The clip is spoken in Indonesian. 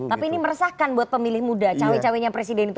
tapi ini meresahkan buat pemilih muda cawe cawenya presiden itu